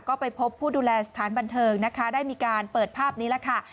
ก็ไปพบผู้ดูแลสถานบันเทิงนะคะได้มีการเปิดภาพนี้แหละค่ะ